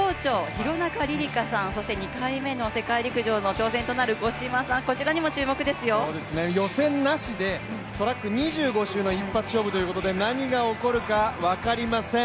廣中璃梨佳さん、２回目の世界陸上の挑戦となる五島莉乃さん予選なしでトラック２５周の一発勝負ということで何が起こるか分かりません。